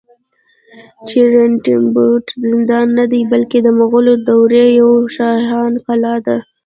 چې رنتنبور زندان نه دی، بلکې د مغولي دورې یوه شاهانه کلا ده